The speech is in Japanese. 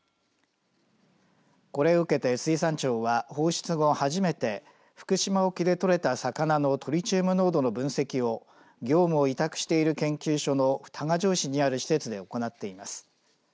これを受けて水産庁は放出後初めて福島沖で取れた魚のトリチウム濃度の分析を業務を委託している研究者の多賀城市にある施設で行っています。